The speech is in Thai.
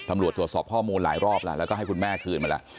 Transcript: ตรวจสอบข้อมูลหลายรอบแล้วแล้วก็ให้คุณแม่คืนมาแล้ว